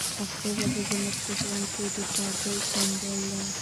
پښتو ژبه زموږ په ژوند کې د تعادل سمبول دی.